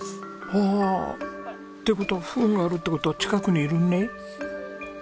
ほおって事はフンがあるって事は近くにいるね？